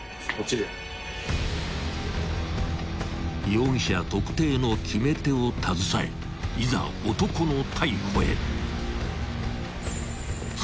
［容疑者特定の決め手を携えいざ男の逮捕へ］